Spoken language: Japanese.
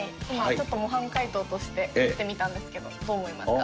ちょっと模範解答として、送ってみたんですけど、どう思いますか？